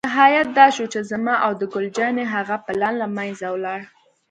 نهایت دا شو چې زما او د ګل جانې هغه پلان له منځه ولاړ.